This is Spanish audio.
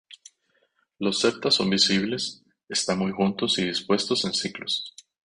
Los septa son visibles, están muy juntos y dispuestos en ciclos.